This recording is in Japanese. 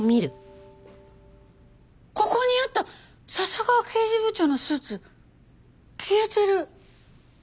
ここにあった笹川刑事部長のスーツ消えてる。